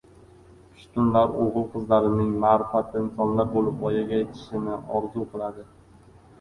Pushtunlar o‘g‘il-qizlarining ma’rifatli insonlar bo‘lib voyaga yetishini orzu qiladi.